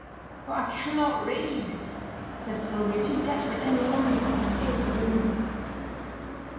'But I cannot read,' said Sylvia, too desperate any longer to conceal her ignorance.